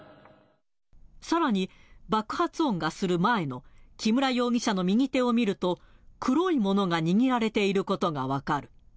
さらに、爆発音がする前の木村容疑者の右手を見ると、黒いものが握られていることが分かる。